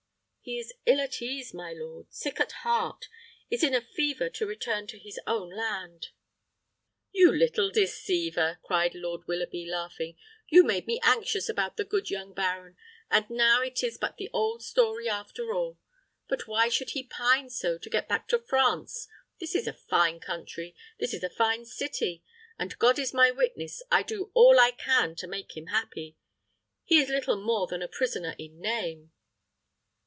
"He is ill at ease, my lord sick at heart is in a fever to return to his own land." "You little deceiver," cried Lord Willoughby, laughing. "You made me anxious about the good young baron, and now it is but the old story, after all. But why should he pine so to get back to France? This is a fine country this a fine city; and God is my witness I do all I can to make him happy. He is little more than a prisoner in name."